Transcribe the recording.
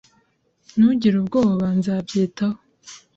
Ntugire ubwoba. Nzabyitaho.